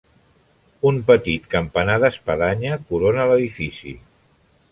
Un petit campanar d'espadanya corona l'edifici.